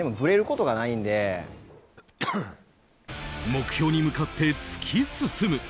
目標に向かって突き進む。